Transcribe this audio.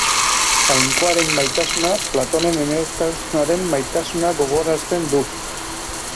Jainkoaren maitasuna Platonen edertasunaren maitasuna gogorarazten du.